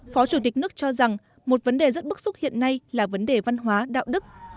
phó chủ tịch nước cho rằng một vấn đề rất bức xúc hiện nay là vấn đề văn hóa đạo đức